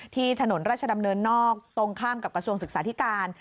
ถนนราชดำเนินนอกตรงข้ามกับกระทรวงศึกษาธิการ